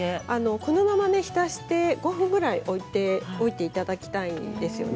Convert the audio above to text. このまま浸して５分ぐらい置いておいていただきたいですよね。